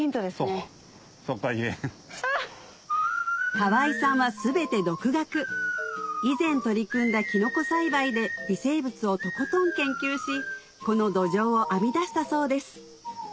河合さんは全て独学以前取り組んだキノコ栽培で微生物をとことん研究しこの土壌を編み出したそうです